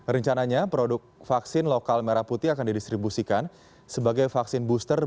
rencananya produk vaksin lokal merah putih akan didistribusikan sebagai vaksin booster